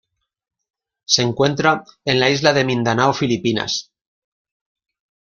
Se encuentra en la isla de Mindanao Filipinas.